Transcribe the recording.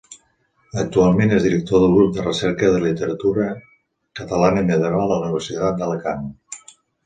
Actualment és director del Grup de Recerca de Literatura Catalana Medieval de la Universitat d'Alacant.